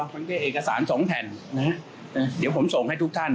มันก็เอกสารสองแผ่นนะฮะเดี๋ยวผมส่งให้ทุกท่าน